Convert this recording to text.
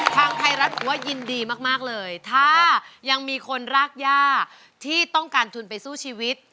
ทางไทยรัฐบอกว่ายินดีมากเลยถ้ายังมีคนรากย่าที่ต้องการทุนไปสู้ชีวิต